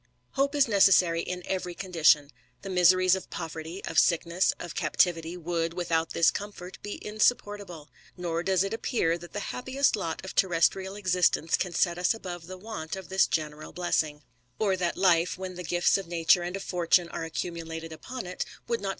Hope is necessary in every condition. The miseries of poverty, of sickness, of captivity, would, without this comfort, be insupportable; nor does it appear that the happiest lot of terrestrial existence can set us above the want of this general blessing ; or that life, when the gifts of nature and of fortune are accumulated upon it, would not * Note VI 1 1., Appendix. 96 THE RAMBLER.